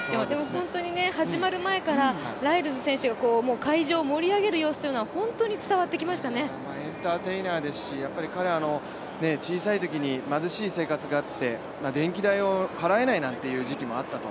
本当に始まる前からライルズ選手が会場を盛り上げる様子はエンターテイナーですし彼は小さいときに貧しい生活があって、電気代を払えないなんていう時期もあったと。